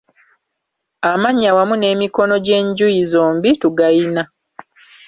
Amannya wamu n’emikono gy’enjuyi zombi tugayina.